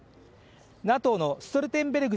ＮＡＴＯのストルテンベルグ